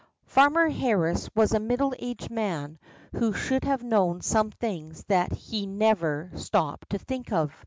Farmer Harris was a middle aged man who should have known some things that he never stopped to think of.